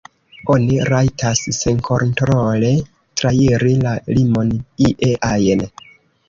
Oni rajtas senkontrole trairi la limon ie ajn.